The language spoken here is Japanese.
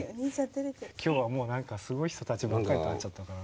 今日はもう何かすごい人たちばっかりと会っちゃったなあ。